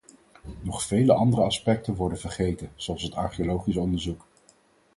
Nog vele andere aspecten worden vergeten, zoals het archeologisch onderzoek.